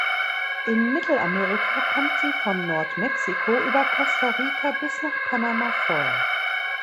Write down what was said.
In Mittelamerika kommt sie von Nordmexiko über Costa Rica bis nach Panama vor.